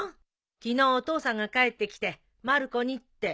昨日お父さんが帰ってきてまる子にって。